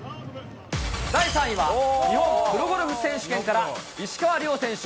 第３位は、日本プロゴルフ選手権から、石川遼選手。